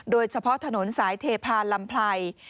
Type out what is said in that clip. โดยเฉพาะถนนสายเทพาลำไพร